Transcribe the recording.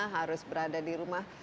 harus berada di rumah